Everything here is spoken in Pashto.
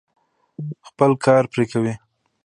خپل کار پرې کوي.